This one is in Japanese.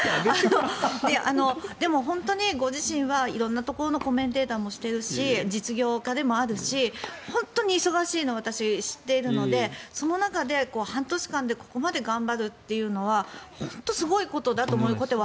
でも、本当にご自身は色んなところのコメンテーターもしていらっしゃるし実業家でもあるし本当に忙しいのを私、知っているのでその中で、半年間でここまで頑張るっていうのは本当にすごいことだと思って。